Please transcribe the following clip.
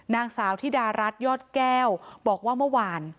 นางสาวธิดารัฐยอดแก้วบอกว่าเมื่อวาน